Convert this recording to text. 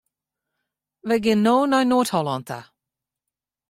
Wy gean no nei Noard-Hollân ta.